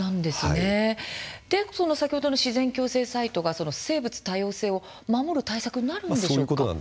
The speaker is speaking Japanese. それで先ほどの自然共生サイトが生物多様性を守ることになるんでしょうか。